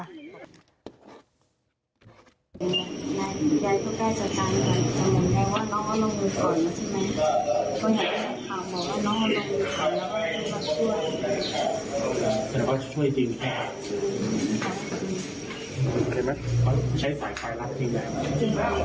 แต่ว่าจะช่วยจริงแค่ใช้สายไฟรัดจริงมา๑๙ฝั่ง